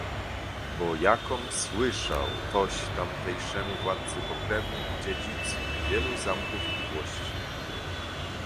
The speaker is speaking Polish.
"Bo jakom słyszał, toś tamtejszemu władcy pokrewny i dziedzic wielu zamków i włości."